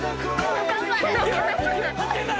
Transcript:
分かんない！